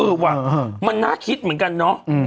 ว่ะมันน่าคิดเหมือนกันเนาะ